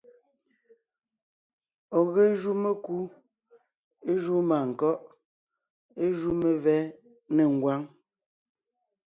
Ɔ̀ ge jú mekú, é júu mânkɔ́ʼ, é jú mevɛ́ nê ngwáŋ.